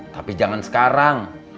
tapi jangan sekarang